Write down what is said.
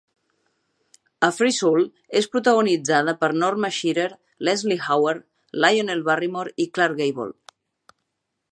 "A Free Soul" és protagonitzada per Norma Shearer, Leslie Howard, Lionel Barrymore i Clark Gable.